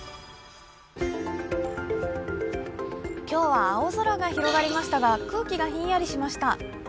今日は青空が広がりましたが、空気がひんやりしました。